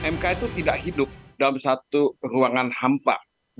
mk itu tidak hidup dalam satu ruangan hampa